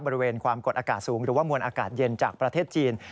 บริเวณความกดอากาศสูงหรือว่ามวลอากาศเย็นจากประเทศจีน